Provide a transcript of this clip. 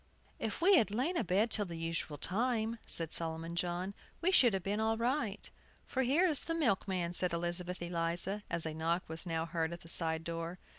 "If we had lain abed till the usual time," said Solomon John, "we should have been all right." "For here is the milkman!" said Elizabeth Eliza, as a knock was now heard at the side door.